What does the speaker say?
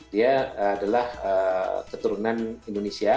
dia adalah keturunan indonesia